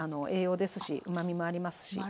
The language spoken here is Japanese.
栄養ですしうまみもありますし。